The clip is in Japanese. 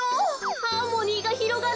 ハーモニーがひろがる。